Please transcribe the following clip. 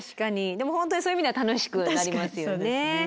でも本当にそういう意味では楽しくなりますよね。